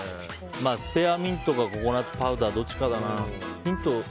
スペアミントかココナツパウダーどっちかだな。